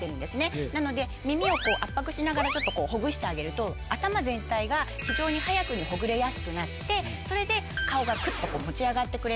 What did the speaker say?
なので耳を圧迫しながらほぐしてあげると頭全体が非常に早くにほぐれやすくなってそれで顔がくっと持ち上がってくれます。